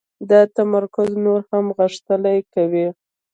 دا تمرکز نور هم غښتلی کوي